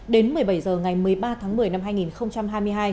đến một mươi bảy h ngày một mươi ba tháng một mươi năm hai nghìn hai mươi hai